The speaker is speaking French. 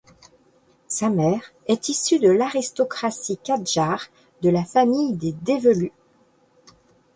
Sa mère est issue de l'aristocratie Kadjar de la famille des Develu.